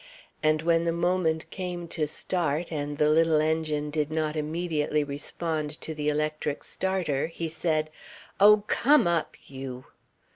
And when the moment came to start and the little engine did not immediately respond to the electric starter, he said: "Oh! COME up, you